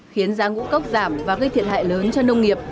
khiến giá ngũ cốc giảm và gây thiệt hại lớn cho nông nghiệp